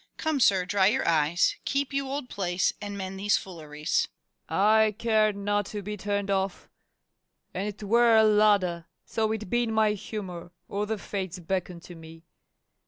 come, sir, dry your eyes: Keep you old place, and mend these fooleries. FAULKNER. I care not to be turned off, and 'twere a ladder, so it be in my humor, or the Fates beckon to me.